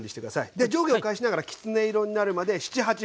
で上下を返しながらきつね色になるまで７８分。